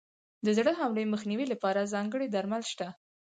د زړه حملې مخنیوي لپاره ځانګړي درمل شته.